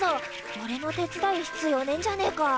おれの手伝う必要ねえんじゃねえか？